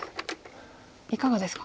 いかがですか？